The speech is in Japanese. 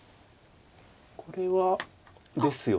これはですよね。